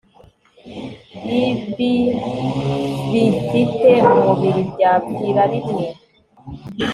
yb ibifite umubiri byapfira rimwe